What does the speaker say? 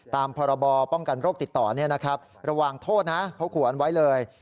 ตามพรบป้องกันโรคติดต่อระหว่างโทษนะเขาขวนไว้เลย